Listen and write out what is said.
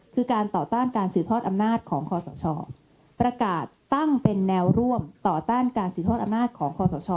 คือการต่อต้านการสืบทอดอำนาจของคอสชประกาศตั้งเป็นแนวร่วมต่อต้านการสืบทอดอำนาจของคอสช